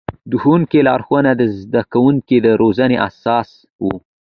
د ښوونکي لارښوونې د زده کوونکو د روزنې اساس و.